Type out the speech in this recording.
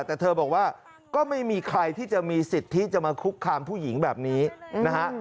แต่เธอบอกว่าก็ไม่มีใครที่จะมีสิทธิจะมาคุกคามผู้หญิงแบบนี้นะฮะ